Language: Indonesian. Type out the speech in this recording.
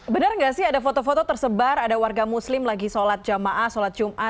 benar nggak sih ada foto foto tersebar ada warga muslim lagi sholat jamaah sholat jumat